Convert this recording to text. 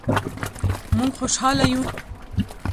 مونږ خوشحاله یو